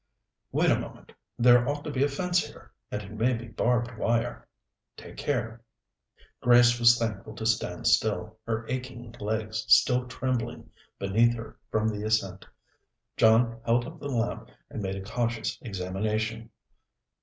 "Wait a moment. There ought to be a fence here, and it may be barbed wire. Take care." Grace was thankful to stand still, her aching legs still trembling beneath her from the ascent. John held up the lamp and made a cautious examination.